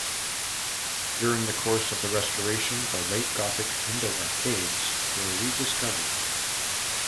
During the course of the restoration the late-Gothic window-arcades were rediscovered.